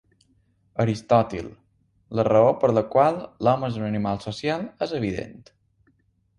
Aristòtil: la raó per la qual l'home és un animal social és evident.